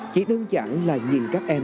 chỉ đơn giản là nhìn các em